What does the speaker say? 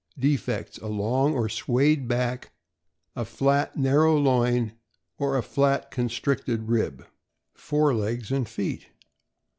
Defects: A long or swayed back, a fiat, narrow loin, or a flat, constricted rib. Fore legs and feet.